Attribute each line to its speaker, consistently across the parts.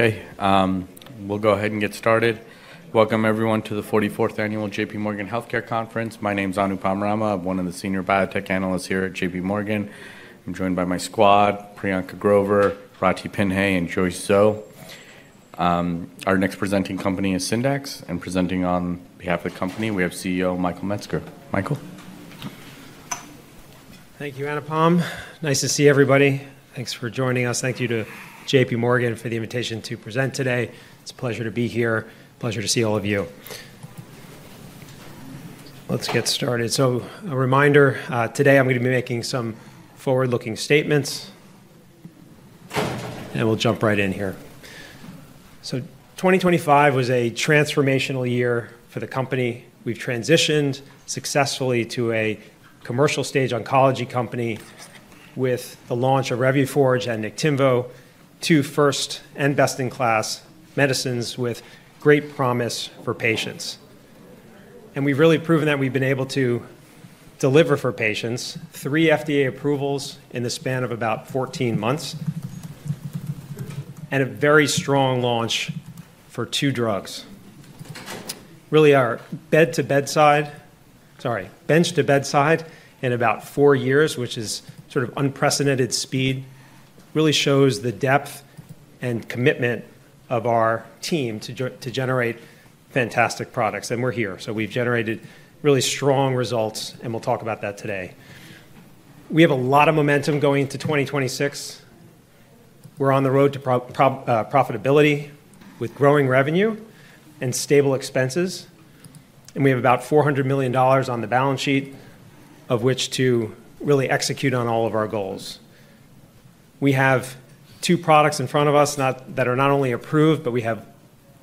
Speaker 1: Okay, we'll go ahead and get started. Welcome, everyone, to the 44th Annual JPMorgan Healthcare Conference. My name's Anupam Rama, one of the senior biotech analysts here at JPMorgan. I'm joined by my squad, Priyanka Grover, Rathi Pingali, and Joyce Zhou. Our next presenting company is Syndax, and presenting on behalf of the company, we have CEO Michael Metzger. Michael.
Speaker 2: Thank you, Anupam. Nice to see everybody. Thanks for joining us. Thank you to JPMorgan for the invitation to present today. It's a pleasure to be here. Pleasure to see all of you. Let's get started. So, a reminder, today I'm going to be making some forward-looking statements, and we'll jump right in here. So, 2025 was a transformational year for the company. We've transitioned successfully to a commercial-stage oncology company with the launch of Revuforj and Niktimvo, two first and best-in-class medicines with great promise for patients. And we've really proven that we've been able to deliver for patients: three FDA approvals in the span of about 14 months, and a very strong launch for two drugs. Really, our bed to bedside, sorry, bench to bedside, in about four years, which is sort of unprecedented speed, really shows the depth and commitment of our team to generate fantastic products. We're here. We've generated really strong results, and we'll talk about that today. We have a lot of momentum going into 2026. We're on the road to profitability with growing revenue and stable expenses. We have about $400 million on the balance sheet to really execute on all of our goals. We have two products in front of us that are not only approved, but we have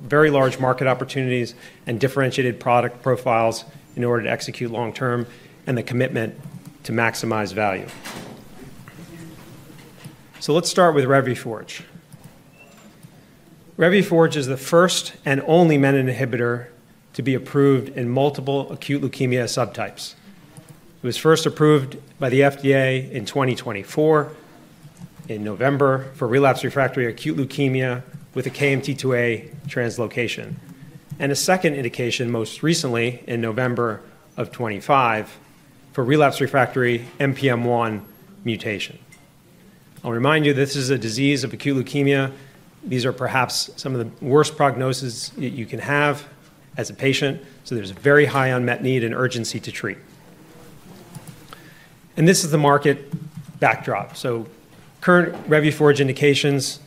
Speaker 2: very large market opportunities and differentiated product profiles in order to execute long-term and the commitment to maximize value. Let's start with Revuforj. Revuforj is the first and only menin inhibitor to be approved in multiple acute leukemia subtypes. It was first approved by the FDA in 2024, in November, for relapsed refractory acute leukemia with a KMT2A translocation. A second indication, most recently, in November of 2025, for relapsed refractory NPM1 mutation. I'll remind you, this is a disease of acute leukemia. These are perhaps some of the worst prognoses that you can have as a patient. So, there's a very high unmet need and urgency to treat. And this is the market backdrop. So, current Revuforj indications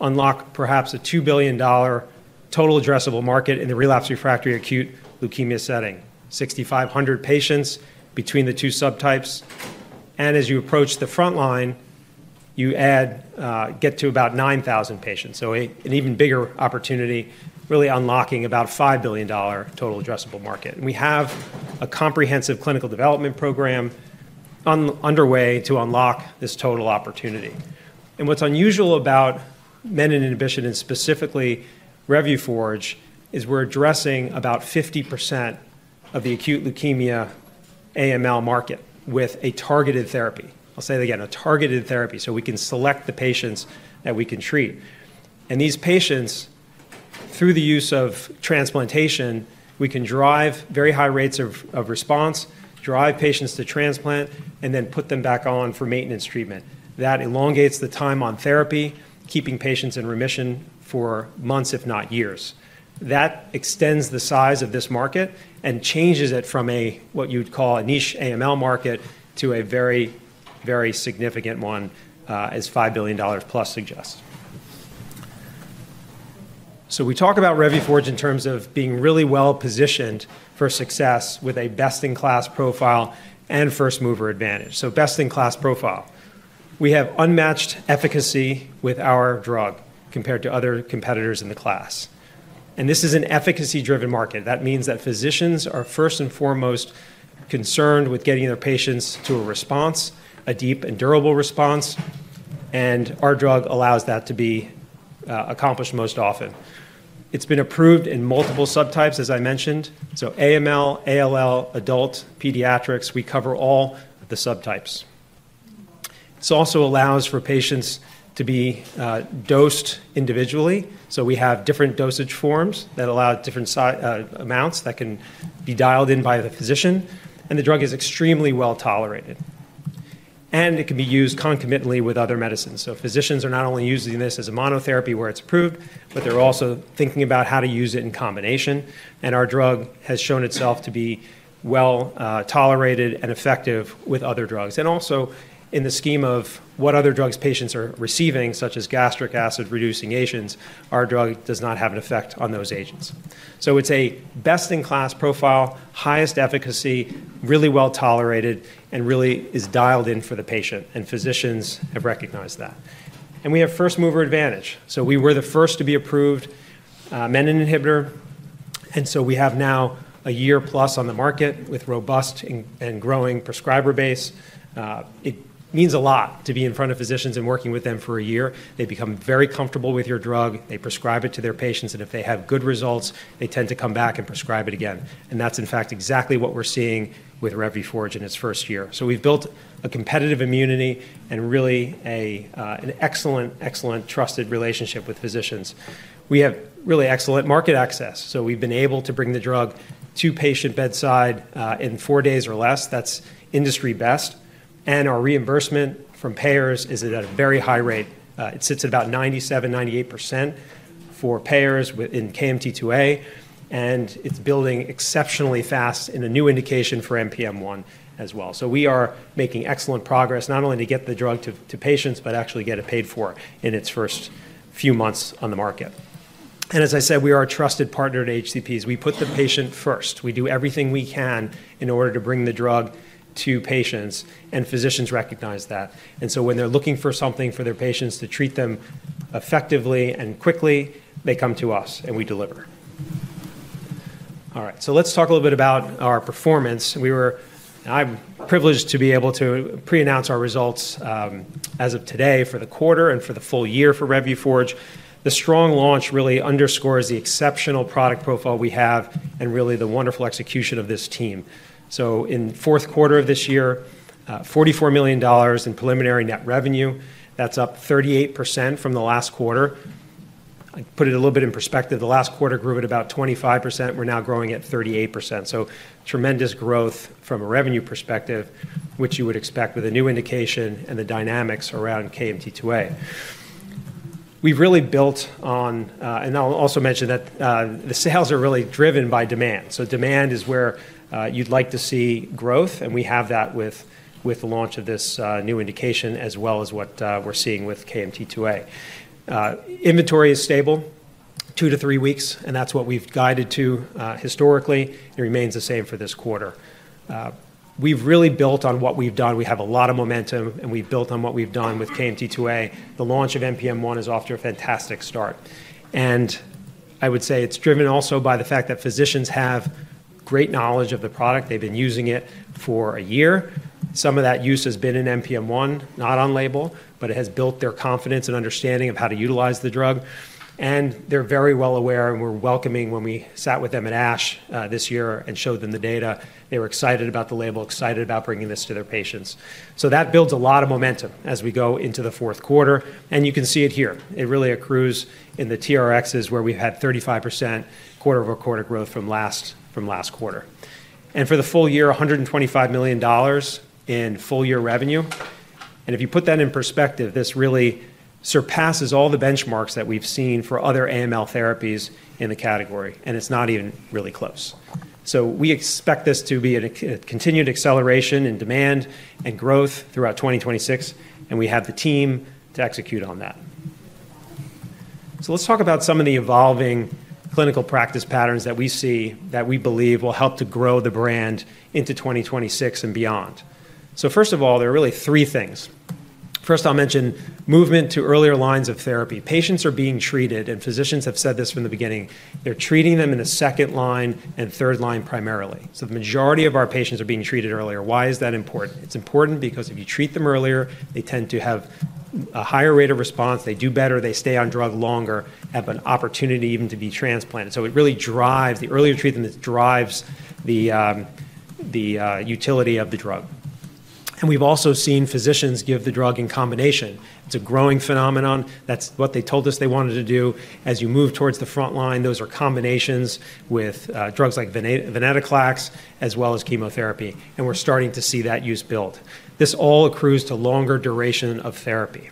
Speaker 2: unlock perhaps a $2 billion total addressable market in the relapsed refractory acute leukemia setting: 6,500 patients between the two subtypes. And as you approach the front line, you get to about 9,000 patients. So, an even bigger opportunity, really unlocking about a $5 billion total addressable market. And we have a comprehensive clinical development program underway to unlock this total opportunity. And what's unusual about menin inhibition, and specifically Revuforj, is we're addressing about 50% of the acute leukemia AML market with a targeted therapy. I'll say that again, a targeted therapy, so we can select the patients that we can treat. These patients, through the use of transplantation, we can drive very high rates of response, drive patients to transplant, and then put them back on for maintenance treatment. That elongates the time on therapy, keeping patients in remission for months, if not years. That extends the size of this market and changes it from a, what you'd call, a niche AML market to a very, very significant one, as $5 billion plus suggests. We talk about Revuforj in terms of being really well-positioned for success with a best-in-class profile and first-mover advantage. Best-in-class profile. We have unmatched efficacy with our drug compared to other competitors in the class. This is an efficacy-driven market. That means that physicians are first and foremost concerned with getting their patients to a response, a deep and durable response. Our drug allows that to be accomplished most often. It's been approved in multiple subtypes, as I mentioned. So, AML, ALL, adult, pediatrics, we cover all the subtypes. It also allows for patients to be dosed individually. So, we have different dosage forms that allow different amounts that can be dialed in by the physician. And the drug is extremely well-tolerated. And it can be used concomitantly with other medicines. So, physicians are not only using this as a monotherapy where it's approved, but they're also thinking about how to use it in combination. And our drug has shown itself to be well-tolerated and effective with other drugs. And also, in the scheme of what other drugs patients are receiving, such as gastric acid-reducing agents, our drug does not have an effect on those agents. So, it's a best-in-class profile, highest efficacy, really well-tolerated, and really is dialed in for the patient. And physicians have recognized that. And we have first-mover advantage. So, we were the first to be approved menin inhibitor. And so, we have now a year-plus on the market with a robust and growing prescriber base. It means a lot to be in front of physicians and working with them for a year. They become very comfortable with your drug. They prescribe it to their patients. And if they have good results, they tend to come back and prescribe it again. And that's, in fact, exactly what we're seeing with Revuforj in its first year. So, we've built a competitive immunity and really an excellent, excellent, trusted relationship with physicians. We have really excellent market access. So, we've been able to bring the drug to patient bedside in four days or less. That's industry best. And our reimbursement from payers is at a very high rate. It sits at about 97%, 98% for payers in KMT2A. And it's building exceptionally fast in a new indication for NPM1 as well. So, we are making excellent progress, not only to get the drug to patients, but actually get it paid for in its first few months on the market. And as I said, we are a trusted partner at HCPs. We put the patient first. We do everything we can in order to bring the drug to patients. And physicians recognize that. And so, when they're looking for something for their patients to treat them effectively and quickly, they come to us and we deliver. All right, so let's talk a little bit about our performance. I'm privileged to be able to pre-announce our results as of today for the quarter and for the full year for Revuforj. The strong launch really underscores the exceptional product profile we have and really the wonderful execution of this team. So, in the fourth quarter of this year, $44 million in preliminary net revenue. That's up 38% from the last quarter. I put it a little bit in perspective. The last quarter grew at about 25%. We're now growing at 38%. So, tremendous growth from a revenue perspective, which you would expect with a new indication and the dynamics around KMT2A. We've really built on, and I'll also mention that the sales are really driven by demand. So, demand is where you'd like to see growth. And we have that with the launch of this new indication, as well as what we're seeing with KMT2A. Inventory is stable, two to three weeks. And that's what we've guided to historically. It remains the same for this quarter. We've really built on what we've done. We have a lot of momentum. And we've built on what we've done with KMT2A. The launch of NPM1 is off to a fantastic start. And I would say it's driven also by the fact that physicians have great knowledge of the product. They've been using it for a year. Some of that use has been in NPM1, not on label, but it has built their confidence and understanding of how to utilize the drug. And they're very well aware. And we're welcoming when we sat with them at ASH this year and showed them the data. They were excited about the label, excited about bringing this to their patients. So, that builds a lot of momentum as we go into the fourth quarter. And you can see it here. It really accrues in the TRx where we've had 35% quarter-over-quarter growth from last quarter, and for the full year, $125 million in full-year revenue, and if you put that in perspective, this really surpasses all the benchmarks that we've seen for other AML therapies in the category, and it's not even really close, so we expect this to be a continued acceleration in demand and growth throughout 2026, and we have the team to execute on that, so let's talk about some of the evolving clinical practice patterns that we see that we believe will help to grow the brand into 2026 and beyond, so first of all, there are really three things. First, I'll mention movement to earlier lines of therapy. Patients are being treated, and physicians have said this from the beginning. They're treating them in the second line and third line primarily. The majority of our patients are being treated earlier. Why is that important? It's important because if you treat them earlier, they tend to have a higher rate of response. They do better. They stay on drug longer, have an opportunity even to be transplanted. It really drives the earlier treatment. It drives the utility of the drug. We've also seen physicians give the drug in combination. It's a growing phenomenon. That's what they told us they wanted to do. As you move towards the front line, those are combinations with drugs like Venetoclax, as well as chemotherapy. We're starting to see that use built. This all accrues to longer duration of therapy.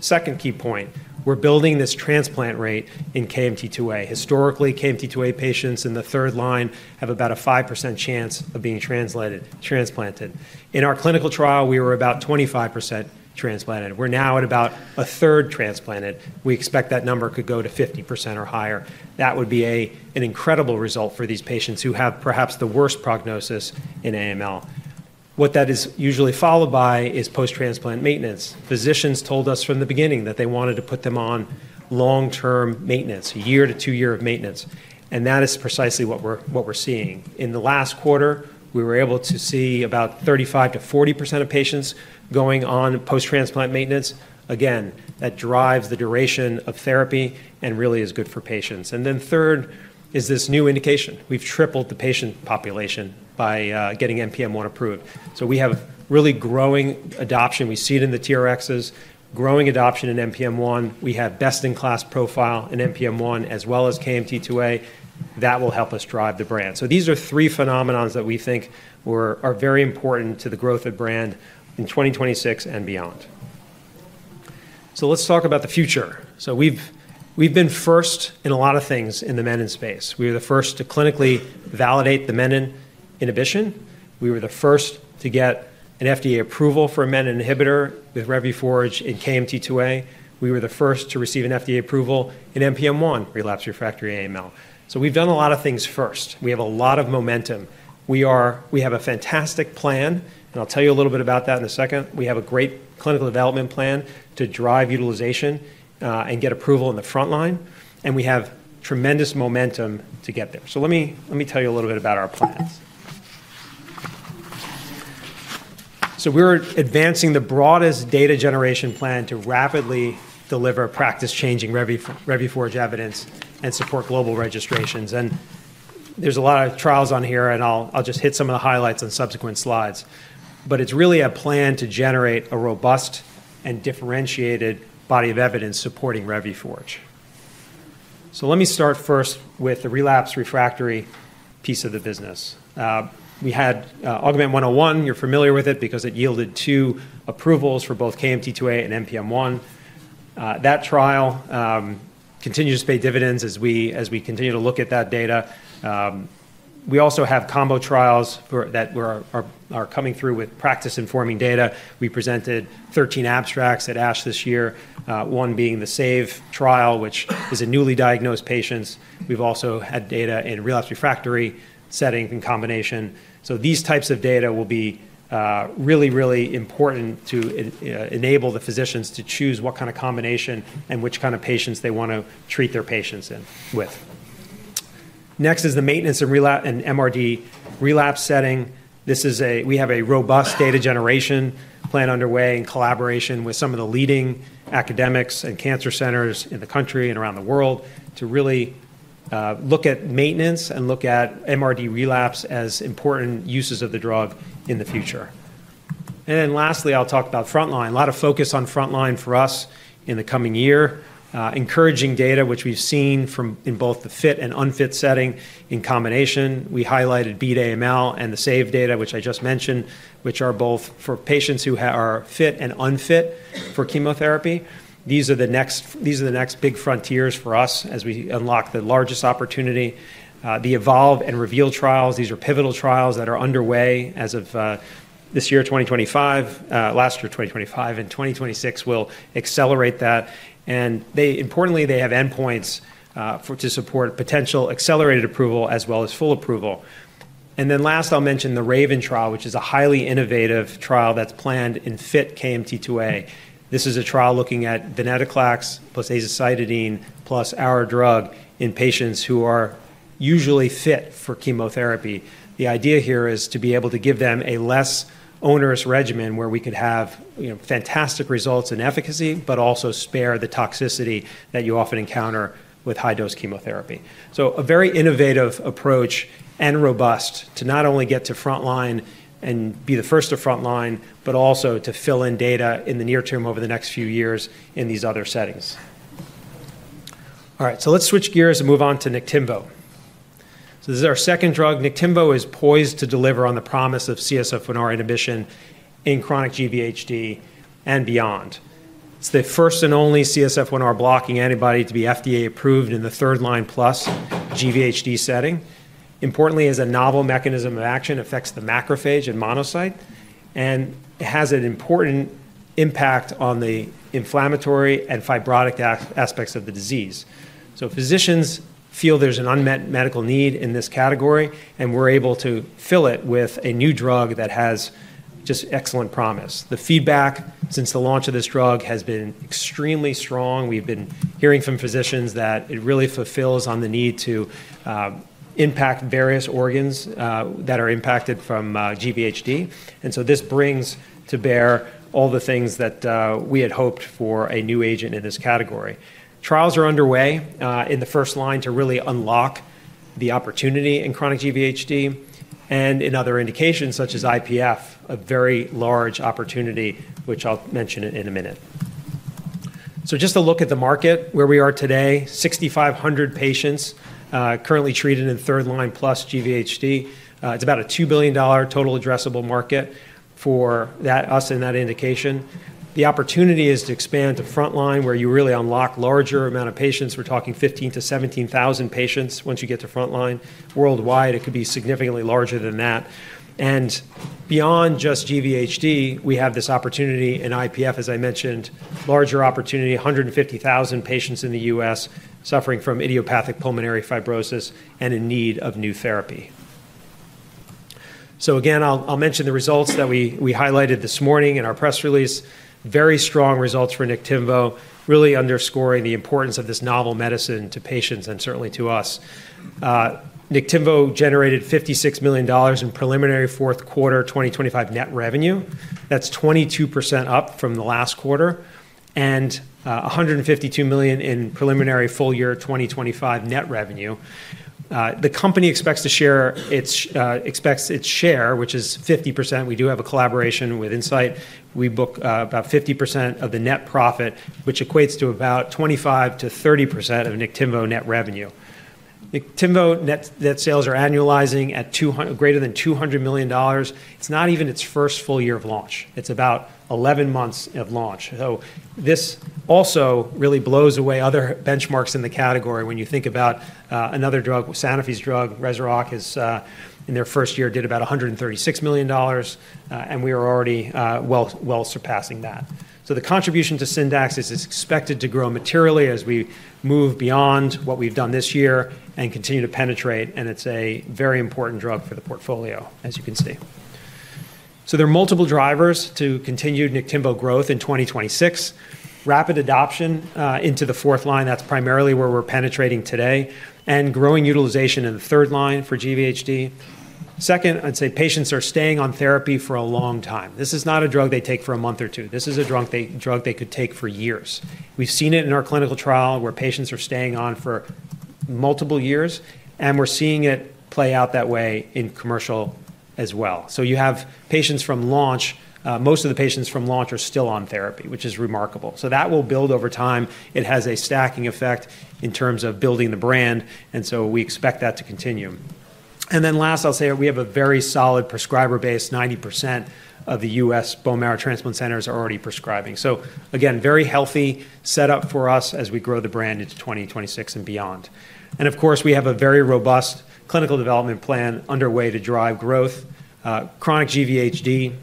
Speaker 2: Second key point, we're building this transplant rate in KMT2A. Historically, KMT2A patients in the third line have about a 5% chance of being transplanted. In our clinical trial, we were about 25% transplanted. We're now at about a third transplanted. We expect that number could go to 50% or higher. That would be an incredible result for these patients who have perhaps the worst prognosis in AML. What that is usually followed by is post-transplant maintenance. Physicians told us from the beginning that they wanted to put them on long-term maintenance, a year to two-year of maintenance. And that is precisely what we're seeing. In the last quarter, we were able to see about 35%-40% of patients going on post-transplant maintenance. Again, that drives the duration of therapy and really is good for patients. And then third is this new indication. We've tripled the patient population by getting NPM1 approved. So, we have really growing adoption. We see it in the TRx, growing adoption in NPM1. We have best-in-class profile in NPM1, as well as KMT2A. That will help us drive the brand. These are three phenomena that we think are very important to the growth of brand in 2026 and beyond. Let's talk about the future. We've been first in a lot of things in the menin space. We were the first to clinically validate the menin inhibition. We were the first to get an FDA approval for a menin inhibitor with Revuforj in KMT2A. We were the first to receive an FDA approval in NPM1, relapsed refractory AML. We've done a lot of things first. We have a lot of momentum. We have a fantastic plan, and I'll tell you a little bit about that in a second. We have a great clinical development plan to drive utilization and get approval in the front line. We have tremendous momentum to get there. Let me tell you a little bit about our plans. We're advancing the broadest data generation plan to rapidly deliver practice-changing Revuforj evidence and support global registrations. There's a lot of trials on here. I'll just hit some of the highlights on subsequent slides. It's really a plan to generate a robust and differentiated body of evidence supporting Revuforj. Let me start first with the relapsed refractory piece of the business. We had AUGMENT-101. You're familiar with it because it yielded two approvals for both KMT2A and NPM1. That trial continues to pay dividends as we continue to look at that data. We also have combo trials that are coming through with practice-informing data. We presented 13 abstracts at ASH this year, one being the SAVE trial, which is a newly diagnosed patient. We've also had data in relapsed refractory setting in combination. So, these types of data will be really, really important to enable the physicians to choose what kind of combination and which kind of patients they want to treat their patients with. Next is the maintenance and MRD relapse setting. We have a robust data generation plan underway in collaboration with some of the leading academics and cancer centers in the country and around the world to really look at maintenance and look at MRD relapse as important uses of the drug in the future. And then lastly, I'll talk about front line. A lot of focus on front line for us in the coming year. Encouraging data, which we've seen in both the fit and unfit setting in combination. We highlighted Beat AML and the SAVE data, which I just mentioned, which are both for patients who are fit and unfit for chemotherapy. These are the next big frontiers for us as we unlock the largest opportunity. The EVOLVE and REVEAL trials, these are pivotal trials that are underway as of this year, 2025, last year, 2025. In 2026, we'll accelerate that. And importantly, they have endpoints to support potential accelerated approval as well as full approval. And then last, I'll mention the RAVEN trial, which is a highly innovative trial that's planned in fit KMT2A. This is a trial looking at venetoclax plus azacitidine plus our drug in patients who are usually fit for chemotherapy. The idea here is to be able to give them a less onerous regimen where we could have fantastic results in efficacy, but also spare the toxicity that you often encounter with high-dose chemotherapy. So, a very innovative approach and robust to not only get to front line and be the first to front line, but also to fill in data in the near term over the next few years in these other settings. All right, so let's switch gears and move on to Niktimvo. So, this is our second drug. Niktimvo is poised to deliver on the promise of CSF1R inhibition in chronic GVHD and beyond. It's the first and only CSF1R blocking antibody to be FDA approved in the third line plus GVHD setting. Importantly, as a novel mechanism of action, it affects the macrophage and monocyte. And it has an important impact on the inflammatory and fibrotic aspects of the disease. So, physicians feel there's an unmet medical need in this category. And we're able to fill it with a new drug that has just excellent promise. The feedback since the launch of this drug has been extremely strong. We've been hearing from physicians that it really fulfills on the need to impact various organs that are impacted from GVHD. And so, this brings to bear all the things that we had hoped for a new agent in this category. Trials are underway in the first line to really unlock the opportunity in chronic GVHD and in other indications, such as IPF, a very large opportunity, which I'll mention in a minute. So, just a look at the market where we are today. 6,500 patients currently treated in third line plus GVHD. It's about a $2 billion total addressable market for us in that indication. The opportunity is to expand to front line where you really unlock a larger amount of patients. We're talking 15,000-17,000 patients once you get to front line. Worldwide, it could be significantly larger than that. And beyond just GVHD, we have this opportunity in IPF, as I mentioned, larger opportunity, 150,000 patients in the US suffering from idiopathic pulmonary fibrosis and in need of new therapy. So, again, I'll mention the results that we highlighted this morning in our press release. Very strong results for Niktimvo, really underscoring the importance of this novel medicine to patients and certainly to us. Niktimvo generated $56 million in preliminary fourth quarter 2025 net revenue. That's 22% up from the last quarter and $152 million in preliminary full year 2025 net revenue. The company expects to share its share, which is 50%. We do have a collaboration with Incyte. We book about 50% of the net profit, which equates to about 25% to 30% of Niktimvo net revenue. Niktimvo net sales are annualizing at greater than $200 million. It's not even its first full year of launch. It's about 11 months of launch. So, this also really blows away other benchmarks in the category when you think about another drug, Sanofi's drug, Rezurock, in their first year did about $136 million. And we are already well surpassing that. So, the contribution to Syndax is expected to grow materially as we move beyond what we've done this year and continue to penetrate. And it's a very important drug for the portfolio, as you can see. So, there are multiple drivers to continued Niktimvo growth in 2026. Rapid adoption into the fourth line, that's primarily where we're penetrating today. And growing utilization in the third line for GVHD. Second, I'd say patients are staying on therapy for a long time. This is not a drug they take for a month or two. This is a drug they could take for years. We've seen it in our clinical trial where patients are staying on for multiple years. And we're seeing it play out that way in commercial as well. So, you have patients from launch. Most of the patients from launch are still on therapy, which is remarkable. So, that will build over time. It has a stacking effect in terms of building the brand. And so, we expect that to continue. And then last, I'll say we have a very solid prescriber base. 90% of the U.S. bone marrow transplant centers are already prescribing. So, again, very healthy setup for us as we grow the brand into 2026 and beyond. And of course, we have a very robust clinical development plan underway to drive growth. Chronic GVHD,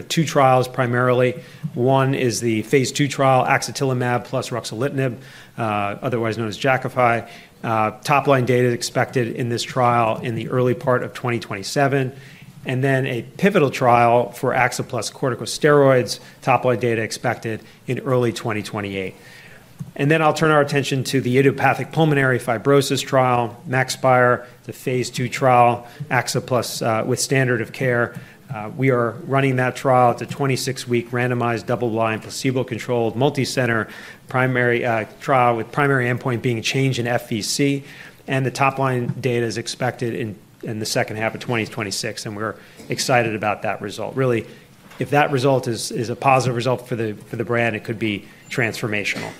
Speaker 2: two trials primarily. One is the phase two trial, Axatilimab plus Ruxolitinib, otherwise known as Jakafi. Top line data expected in this trial in the early part of 2027. And then a pivotal trial for Axatilimab plus corticosteroids, top line data expected in early 2028. And then I'll turn our attention to the idiopathic pulmonary fibrosis trial, MaxPhier, the phase two trial, Axatilimab plus standard of care. We are running that trial at the 26-week randomized double-blind placebo-controlled multicenter primary trial with primary endpoint being change in FVC. And the top line data is expected in the second half of 2026. And we're excited about that result. Really, if that result is a positive result for the brand, it could be transformational.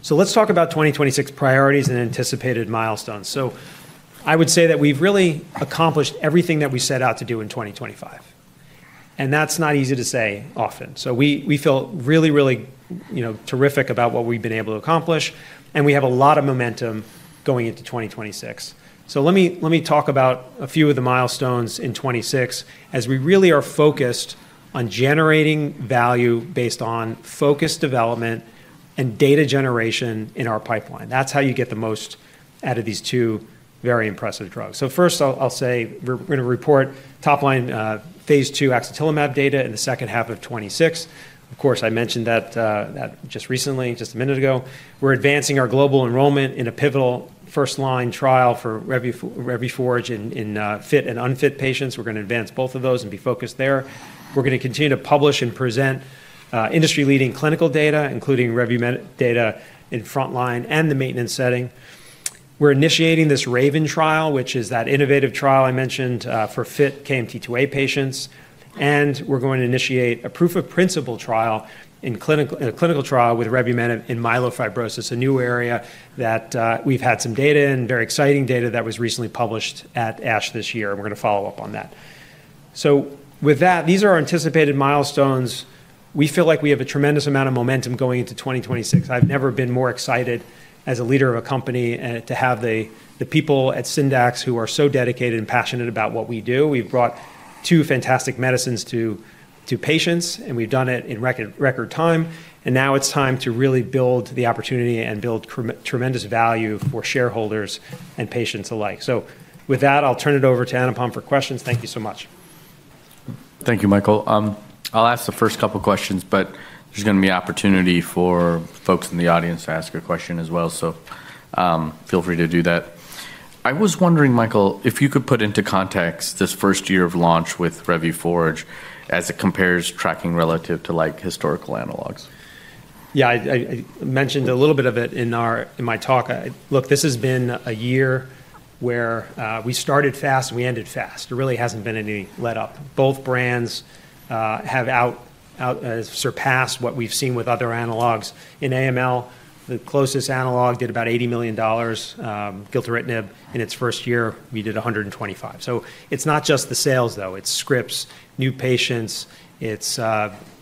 Speaker 2: So, let's talk about 2026 priorities and anticipated milestones. So, I would say that we've really accomplished everything that we set out to do in 2025. And that's not easy to say often. So, we feel really, really terrific about what we've been able to accomplish. And we have a lot of momentum going into 2026. So, let me talk about a few of the milestones in 26 as we really are focused on generating value based on focused development and data generation in our pipeline. That's how you get the most out of these two very impressive drugs. So, first, I'll say we're going to report top-line phase 2 Axatilimab data in the second half of 26. Of course, I mentioned that just recently, just a minute ago. We're advancing our global enrollment in a pivotal first line trial for Revuforj in fit and unfit patients. We're going to advance both of those and be focused there. We're going to continue to publish and present industry-leading clinical data, including Revuforj data in front line and the maintenance setting. We're initiating this RAVEN trial, which is that innovative trial I mentioned for fit KMT2A patients. And we're going to initiate a proof of principle trial in a clinical trial with Revuforj in myelofibrosis, a new area that we've had some data and very exciting data that was recently published at ASH this year. We're going to follow up on that. So, with that, these are our anticipated milestones. We feel like we have a tremendous amount of momentum going into 2026. I've never been more excited as a leader of a company to have the people at Syndax who are so dedicated and passionate about what we do. We've brought two fantastic medicines to patients, and we've done it in record time, and now it's time to really build the opportunity and build tremendous value for shareholders and patients alike, so with that, I'll turn it over to Anupam for questions. Thank you so much.
Speaker 1: Thank you, Michael. I'll ask the first couple of questions, but there's going to be an opportunity for folks in the audience to ask a question as well. So, feel free to do that. I was wondering, Michael, if you could put into context this first year of launch with Revuforj as it compares tracking relative to historical analogs.
Speaker 2: Yeah, I mentioned a little bit of it in my talk. Look, this has been a year where we started fast and we ended fast. There really hasn't been any let up. Both brands have surpassed what we've seen with other analogs. In AML, the closest analog did about $80 million. Gilteritinib in its first year, we did $125 million. So, it's not just the sales, though. It's scripts, new patients, it's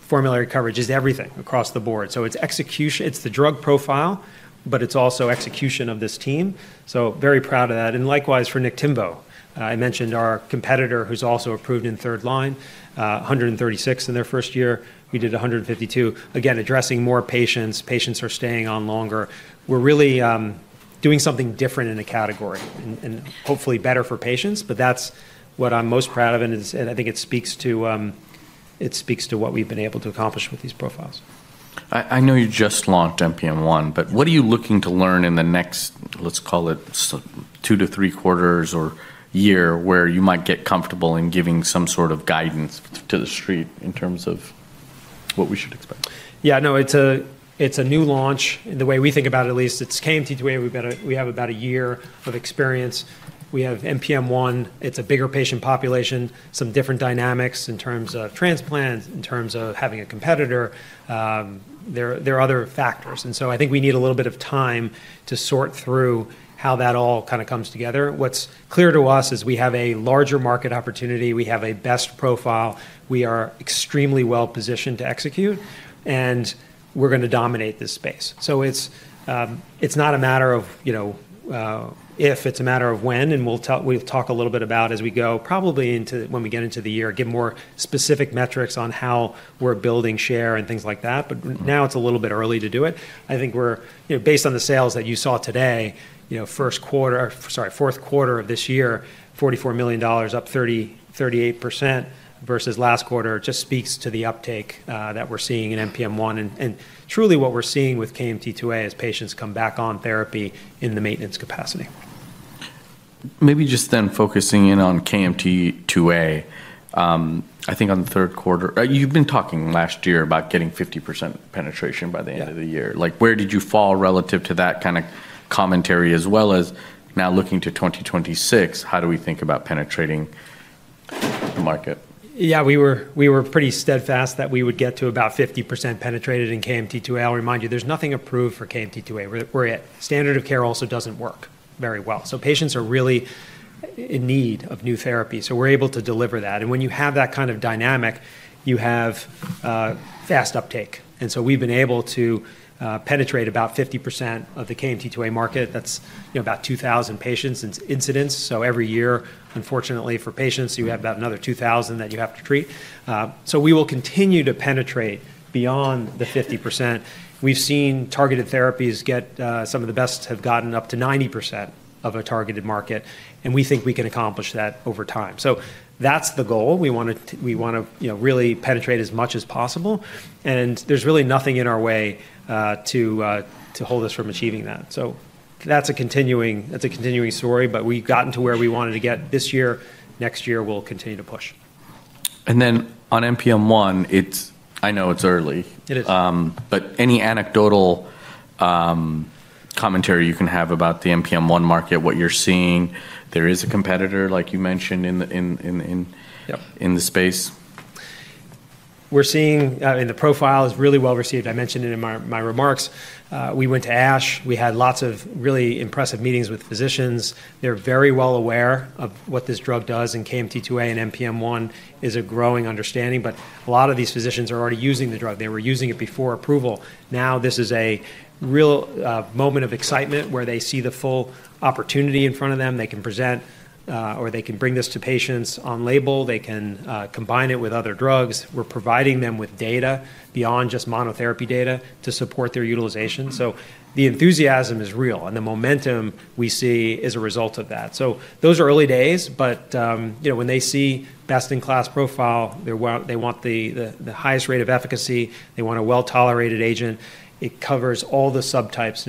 Speaker 2: formulary coverage, it's everything across the board. So, it's execution, it's the drug profile, but it's also execution of this team. So, very proud of that. And likewise for Niktimvo. I mentioned our competitor who's also approved in third line, $136 million in their first year. We did $152 million. Again, addressing more patients, patients are staying on longer. We're really doing something different in a category and hopefully better for patients. But that's what I'm most proud of. I think it speaks to what we've been able to accomplish with these profiles.
Speaker 1: I know you just launched NPM1, but what are you looking to learn in the next, let's call it two to three quarters or year where you might get comfortable in giving some sort of guidance to the street in terms of what we should expect?
Speaker 2: Yeah, no, it's a new launch. The way we think about it, at least, it's KMT2A. We have about a year of experience. We have NPM1. It's a bigger patient population, some different dynamics in terms of transplants, in terms of having a competitor. There are other factors. And so, I think we need a little bit of time to sort through how that all kind of comes together. What's clear to us is we have a larger market opportunity. We have a best profile. We are extremely well positioned to execute. And we're going to dominate this space. So, it's not a matter of if, it's a matter of when. And we'll talk a little bit about as we go, probably when we get into the year, give more specific metrics on how we're building share and things like that. But now it's a little bit early to do it. I think we're, based on the sales that you saw today, first quarter, sorry, fourth quarter of this year, $44 million, up 38% versus last quarter, just speaks to the uptake that we're seeing in NPM1. And truly, what we're seeing with KMT2A is patients come back on therapy in the maintenance capacity.
Speaker 1: Maybe just then focusing in on KMT2A, I think on the third quarter, you've been talking last year about getting 50% penetration by the end of the year. Where did you fall relative to that kind of commentary as well as now looking to 2026, how do we think about penetrating the market?
Speaker 2: Yeah, we were pretty steadfast that we would get to about 50% penetrated in KMT2A. I'll remind you, there's nothing approved for KMT2A. We're at standard of care also doesn't work very well, so patients are really in need of new therapy. We're able to deliver that. And when you have that kind of dynamic, you have fast uptake. We've been able to penetrate about 50% of the KMT2A market. That's about 2,000 patient incidences. Every year, unfortunately, for patients, you have about another 2,000 that you have to treat. We will continue to penetrate beyond the 50%. We've seen targeted therapies get; some of the best have gotten up to 90% of a targeted market. We think we can accomplish that over time. That's the goal. We want to really penetrate as much as possible. And there's really nothing in our way to hold us from achieving that. So, that's a continuing story. But we've gotten to where we wanted to get this year. Next year, we'll continue to push.
Speaker 1: And then on NPM1, I know it's early.
Speaker 2: It is.
Speaker 1: Any anecdotal commentary you can have about the NPM1 market, what you're seeing, there is a competitor like you mentioned in the space?
Speaker 2: We're seeing the profile is really well received. I mentioned it in my remarks. We went to ASH. We had lots of really impressive meetings with physicians. They're very well aware of what this drug does in KMT2A, and NPM1 is a growing understanding. But a lot of these physicians are already using the drug. They were using it before approval. Now this is a real moment of excitement where they see the full opportunity in front of them. They can present or they can bring this to patients on label. They can combine it with other drugs. We're providing them with data beyond just monotherapy data to support their utilization. So, the enthusiasm is real. And the momentum we see is a result of that. So, those are early days. But when they see best in class profile, they want the highest rate of efficacy. They want a well-tolerated agent. It covers all the subtypes.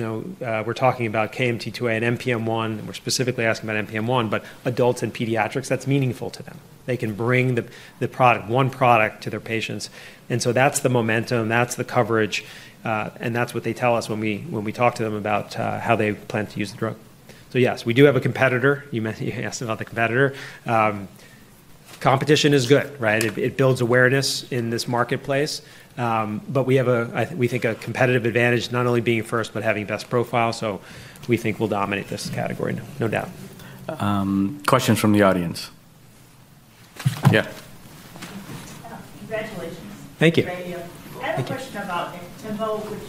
Speaker 2: We're talking about KMT2A and NPM1. We're specifically asking about NPM1, but adults in pediatrics, that's meaningful to them. They can bring the product, one product to their patients. And so, that's the momentum. That's the coverage. And that's what they tell us when we talk to them about how they plan to use the drug. So, yes, we do have a competitor. You asked about the competitor. Competition is good, right? It builds awareness in this marketplace. But we have, we think, a competitive advantage, not only being first, but having best profile. So, we think we'll dominate this category, no doubt.
Speaker 1: Questions from the audience? Yeah.
Speaker 3: Congratulations.
Speaker 2: Thank you.
Speaker 3: I have a question about Niktimvo, which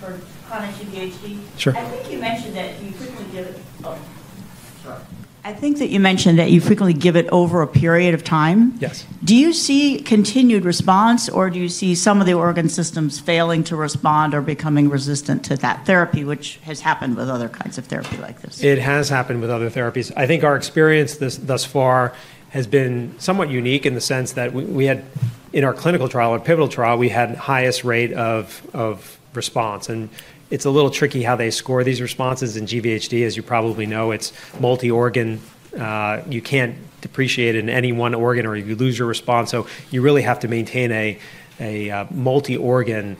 Speaker 3: for chronic GVHD.
Speaker 2: Sure.
Speaker 3: I think you mentioned that you frequently give it. I think that you mentioned that you frequently give it over a period of time.
Speaker 2: Yes.
Speaker 3: Do you see continued response or do you see some of the organ systems failing to respond or becoming resistant to that therapy, which has happened with other kinds of therapy like this?
Speaker 2: It has happened with other therapies. I think our experience thus far has been somewhat unique in the sense that we had, in our clinical trial, a pivotal trial. We had the highest rate of response, and it's a little tricky how they score these responses. In GVHD, as you probably know, it's multi-organ. You can't deteriorate in any one organ or you lose your response, so you really have to maintain a multi-organ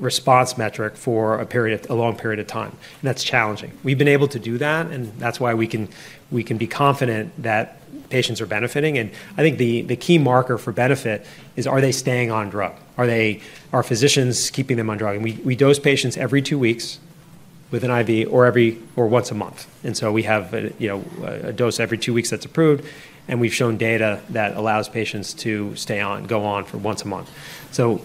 Speaker 2: response metric for a long period of time. And that's challenging. We've been able to do that, and that's why we can be confident that patients are benefiting, and I think the key marker for benefit is, are they staying on drug? Are physicians keeping them on drug? and we dose patients every two weeks with an IV or once a month, and so we have a dose every two weeks that's approved. We've shown data that allows patients to stay on, go on for once a month. So,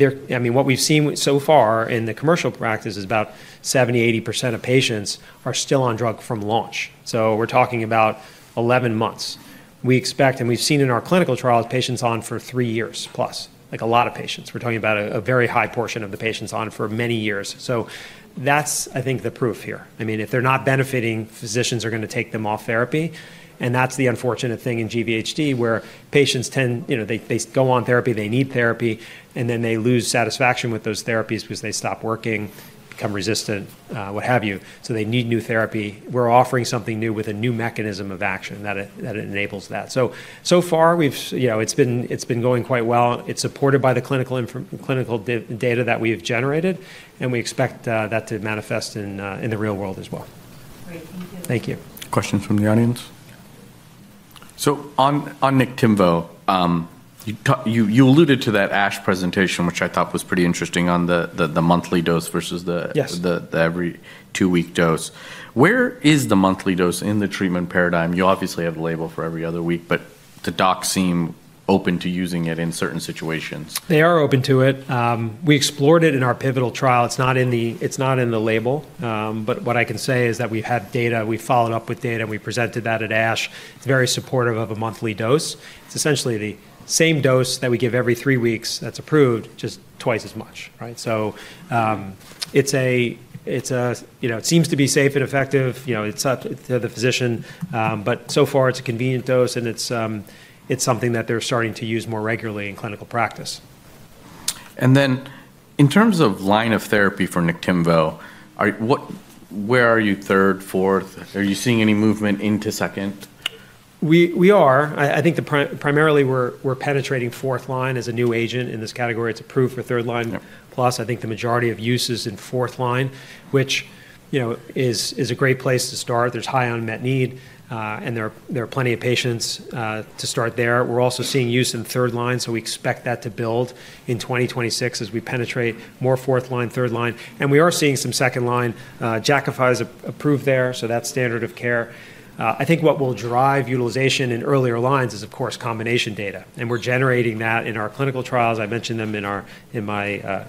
Speaker 2: I mean, what we've seen so far in the commercial practice is about 70%, 80% of patients are still on drug from launch. So, we're talking about 11 months. We expect, and we've seen in our clinical trials, patients on for three years plus, like a lot of patients. We're talking about a very high portion of the patients on for many years. So, that's, I think, the proof here. I mean, if they're not benefiting, physicians are going to take them off therapy. That's the unfortunate thing in GVHD where patients tend, they go on therapy, they need therapy, and then they lose satisfaction with those therapies because they stop working, become resistant, what have you. So, they need new therapy. We're offering something new with a new mechanism of action that enables that. So, so far, it's been going quite well. It's supported by the clinical data that we have generated. And we expect that to manifest in the real world as well.
Speaker 3: Great. Thank you.
Speaker 2: Thank you.
Speaker 1: Questions from the audience? So, on Niktimvo, you alluded to that ASH presentation, which I thought was pretty interesting on the monthly dose versus the every two-week dose. Where is the monthly dose in the treatment paradigm? You obviously have the label for every other week, but the docs seem open to using it in certain situations.
Speaker 2: They are open to it. We explored it in our pivotal trial. It's not in the label, but what I can say is that we've had data. We've followed up with data, and we presented that at ASH. It's very supportive of a monthly dose. It's essentially the same dose that we give every three weeks that's approved, just twice as much, right? It seems to be safe and effective to the physician, but so far, it's a convenient dose, and it's something that they're starting to use more regularly in clinical practice.
Speaker 1: And then in terms of line of therapy for Niktimvo, where are you third, fourth? Are you seeing any movement into second?
Speaker 2: We are. I think primarily we're penetrating fourth line as a new agent in this category. It's approved for third line plus. I think the majority of use is in fourth line, which is a great place to start. There's high unmet need. And there are plenty of patients to start there. We're also seeing use in third line. So, we expect that to build in 2026 as we penetrate more fourth line, third line. And we are seeing some second line. Jakafi is approved there. So, that's standard of care. I think what will drive utilization in earlier lines is, of course, combination data. And we're generating that in our clinical trials. I mentioned them in my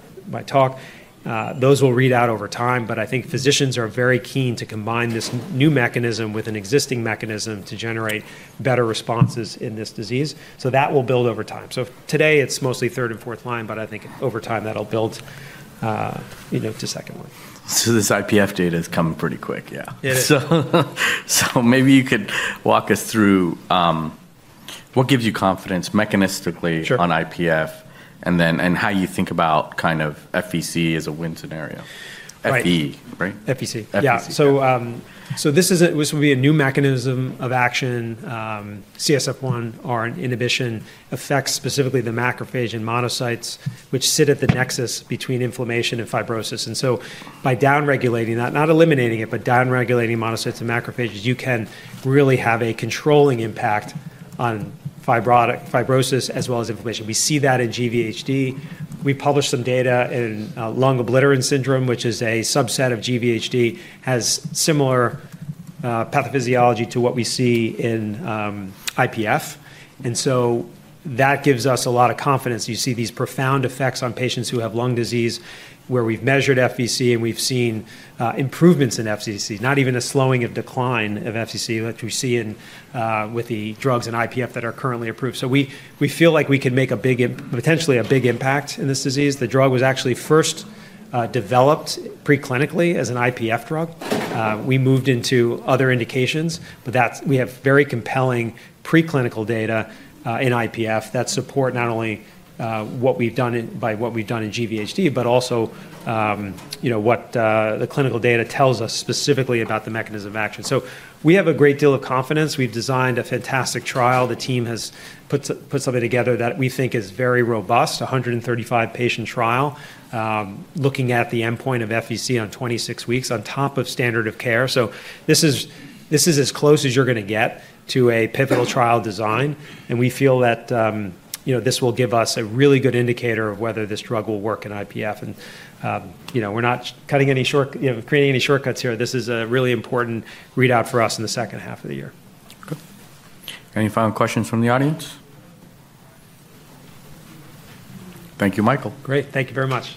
Speaker 2: talk. Those will read out over time. But I think physicians are very keen to combine this new mechanism with an existing mechanism to generate better responses in this disease. So, that will build over time. So, today, it's mostly third and fourth line. But I think over time, that'll build to second line.
Speaker 1: This IPF data is coming pretty quick, yeah.
Speaker 2: It is.
Speaker 1: Maybe you could walk us through what gives you confidence mechanistically on IPF and how you think about kind of FVC as a win scenario, FVC, right?
Speaker 2: FVC. This will be a new mechanism of action. CSF1R inhibition affects specifically the macrophages and monocytes, which sit at the nexus between inflammation and fibrosis. By downregulating that, not eliminating it, but downregulating monocytes and macrophages, you can really have a controlling impact on fibrosis as well as inflammation. We see that in GVHD. We published some data in bronchiolitis obliterans syndrome, which is a subset of GVHD, has similar pathophysiology to what we see in IPF. That gives us a lot of confidence. You see these profound effects on patients who have lung disease where we've measured FVC and we've seen improvements in FVC, not even a slowing of decline of FVC that we see with the drugs and IPF that are currently approved. We feel like we can make potentially a big impact in this disease. The drug was actually first developed preclinically as an IPF drug. We moved into other indications. But we have very compelling preclinical data in IPF that support not only what we've done but what we've done in GVHD, but also what the clinical data tells us specifically about the mechanism of action. So, we have a great deal of confidence. We've designed a fantastic trial. The team has put something together that we think is very robust, a 135-patient trial looking at the endpoint of FVC on 26 weeks on top of standard of care. So, this is as close as you're going to get to a pivotal trial design. And we feel that this will give us a really good indicator of whether this drug will work in IPF. And we're not creating any shortcuts here. This is a really important readout for us in the second half of the year.
Speaker 1: Okay. Any final questions from the audience? Thank you, Michael.
Speaker 2: Great. Thank you very much.